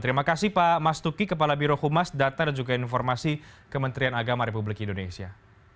terima kasih pak mas tuki kepala birohumas data dan juga informasi kementerian agama republik indonesia